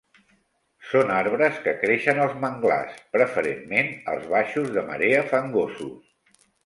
Són arbres que creixen als manglars, preferentment als baixos de marea fangosos.